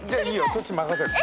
そっちに任せる。